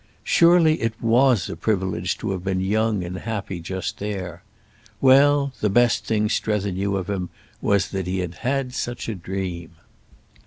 Surely it was a privilege to have been young and happy just there. Well, the best thing Strether knew of him was that he had had such a dream.